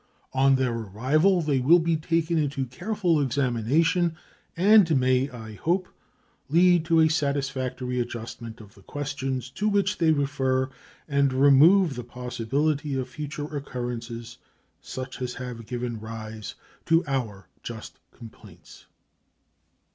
On their arrival they will be taken into careful examination, and may, I hope, lead to a satisfactory adjustment of the questions to which they refer and remove the possibility of future occurrences such as have given rise to our just complaints.